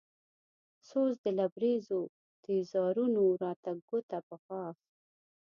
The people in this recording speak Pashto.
سوز د لبرېزو نيزارونو راته ګوته په غاښ